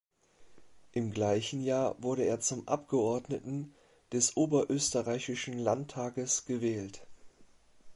Im gleichen Jahr wurde er zum Abgeordneten des oberösterreichischen Landtages gewählt.